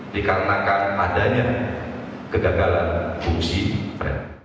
dikarenakan adanya kegagalan fungsi rep